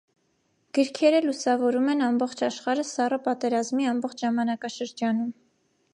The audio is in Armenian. Գրքերը լուսավորում են ամբողջ սաշխարհը սառը պատերազմի ամբողջ ժամանակաշրջանում։